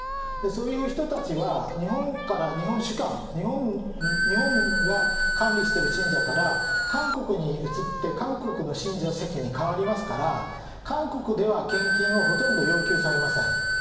そういう人たちは、日本から、日本主管、管理している信者から、韓国に移って、韓国の信者席に変わりますから、韓国では献金をほとんど要求されません。